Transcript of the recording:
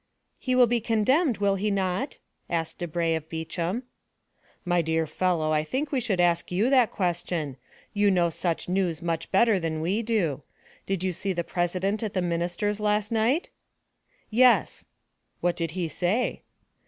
"He will be condemned, will he not?" asked Debray of Beauchamp. "My dear fellow, I think we should ask you that question; you know such news much better than we do. Did you see the president at the minister's last night?" "Yes." "What did he say?"